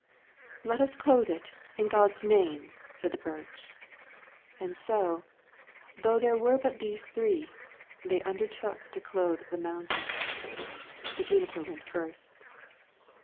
"Let us clothe it, in God's name!" said the birch. And so, though there were but these three, they undertook to clothe the mountain. The juniper went first.